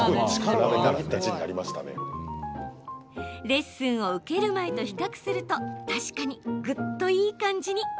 レッスンを受ける前と比較すると確かにぐっといい感じに。